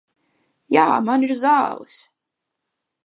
Jā, man ir zāles.